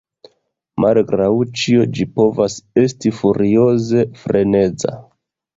Malgraŭ ĉio ĝi povas esti furioze freneza.